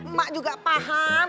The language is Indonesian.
ma juga paham